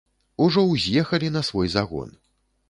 Ужо ўз'ехалі на свой загон.